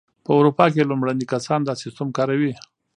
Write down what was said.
په اروپا کې لومړني کسان دا سیسټم کاروي.